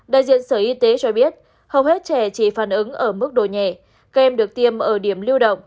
đại diện sở y tế cho biết hầu hết trẻ chỉ phản ứng ở mức độ nhẹ các em được tiêm ở điểm lưu động